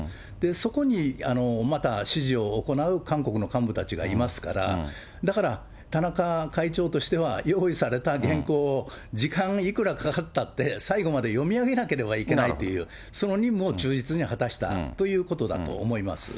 そこにまた指示を行う韓国の幹部たちがいますから、だから田中会長としては、用意された原稿を、時間いくらかかったって、最後まで読み上げなければいけないという、その任務を忠実に果たしたということだと思います。